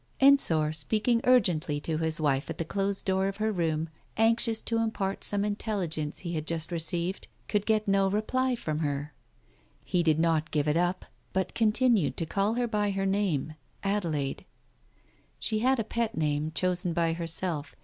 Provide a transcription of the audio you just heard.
••••••• Ensor, speaking urgently to his wife at the closed door of her room, anxious to impart some intelligence he had just received, could get no reply from her. He did not give it up, but continued to call her by her name — Adelaide. She had a pet name, chosen by herself.